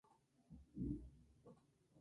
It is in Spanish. Fue sucedido por Simón de Cava.